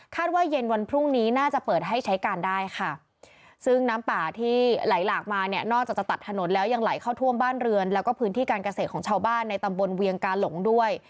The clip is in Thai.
ว่าเย็นวันพรุ่งนี้น่าจะเปิดให้ใช้การได้ค่ะซึ่งน้ำป่าที่ไหลหลากมาเนี่ยนอกจากจะตัดถนนแล้วยังไหลเข้าท่วมบ้านเรือนแล้วก็พื้นที่การเกษตรของชาวบ้านในตำบลเวียงกาหลงด้วย